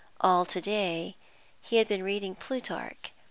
All to day he had been reading Plutarch.